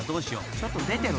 ［ちょっと出てるな］